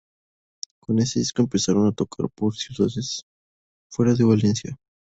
Con este disco empezaron a tocar por ciudades fuera de Valencia.